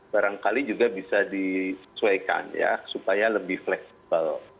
barangkali juga bisa disesuaikan ya supaya lebih fleksibel